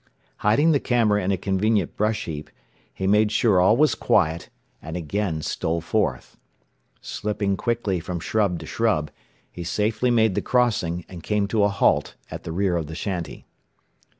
Hiding the camera in a convenient brush heap, he made sure all was quiet, and again stole forth. Slipping quickly from shrub to shrub, he safely made the crossing, and came to a halt at the rear of the shanty.